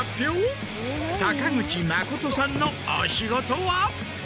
坂口茉琴さんのお仕事は。